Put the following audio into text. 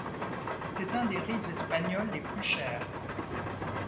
C'est un des riz espagnols les plus chers.